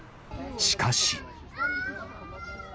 しかし。